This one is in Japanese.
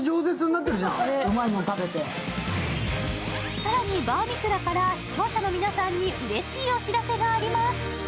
更に、バーミキュラから視聴者の皆さんにうれしいお知らせがあります。